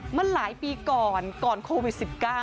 เมื่อหลายปีก่อนก่อนโควิด๑๙